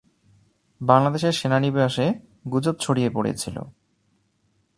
বাংলাদেশের সেনানিবাসে গুজব ছড়িয়ে পড়েছিল।